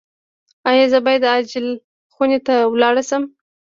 ایا زه باید عاجل خونې ته لاړ شم؟